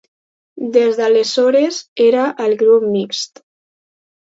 Des d’aleshores era al grup mixt.